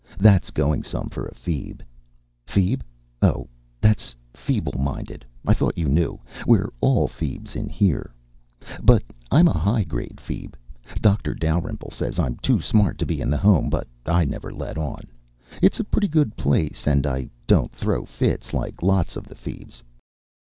That's going some for a feeb. Feeb? Oh, that's feeble minded. I thought you knew. We're all feebs in here. But I'm a high grade feeb. Dr. Dalrymple says I'm too smart to be in the Home, but I never let on. It's a pretty good place. And I don't throw fits like lots of the feebs.